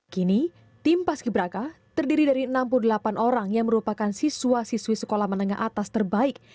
kini tim paski braka terdiri dari enam puluh delapan orang yang merupakan siswa siswi sekolah menengah atas terbaik